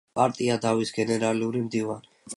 პარტია „დავის“ გენერალური მდივანი.